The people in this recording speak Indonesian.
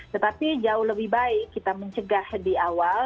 tetapi jauh lebih baik kita mencegah di awal